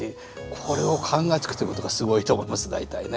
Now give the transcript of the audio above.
これを考えつくっていうことがすごいと思います大体ね。